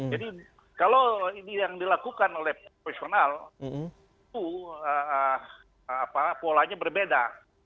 jadi kalau ini yang dilakukan oleh profesional polanya berbeda